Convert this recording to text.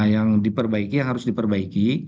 yang diperbaiki yang harus diperbaiki